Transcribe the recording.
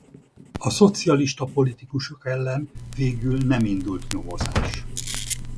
A szocialista politikusok ellen végül nem indult nyomozás.